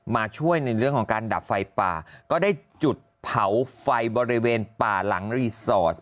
มาช่วยในเรื่องของการดับไฟป่าก็ได้จุดเผาไฟบริเวณป่าหลังรีสอร์ท